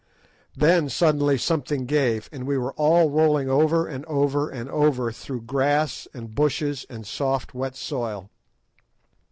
Then suddenly something gave, and we were all rolling over and over and over through grass and bushes and soft, wet soil.